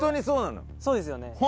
そうですよね。